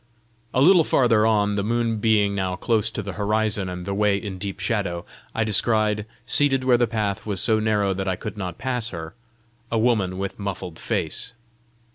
A little farther on, the moon being now close to the horizon and the way in deep shadow, I descried, seated where the path was so narrow that I could not pass her, a woman with muffled face.